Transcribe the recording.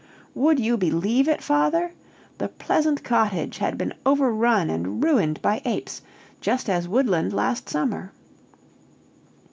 "Would you believe it, father? The pleasant cottage had been overrun and ruined by apes just as Woodland last summer!